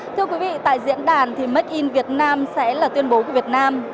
thưa quý vị tại diễn đàn thì make in việt nam sẽ là tuyên bố của việt nam